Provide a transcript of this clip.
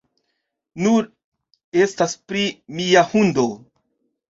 Nur estas pri mia hundo.